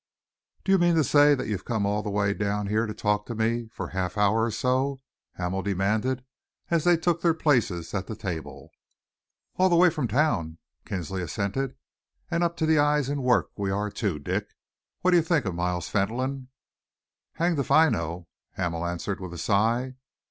"Do you mean to say that you've come all the way down here to talk to me for half an hour or so?" Hamel demanded, as they took their places at a table. "All the way from town," Kinsley assented, "and up to the eyes in work we are, too. Dick, what do you think of Miles Fentolin?" "Hanged if I know!" Hamel answered, with a sigh.